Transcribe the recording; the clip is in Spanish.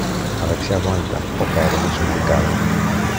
a ver si aguanta, o caeremos en picado.